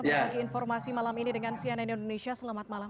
berbagi informasi malam ini dengan cnn indonesia selamat malam